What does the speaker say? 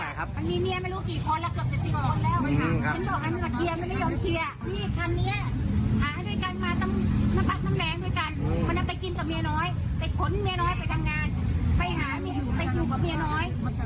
มันไม่ยอมเคียนกับฉัน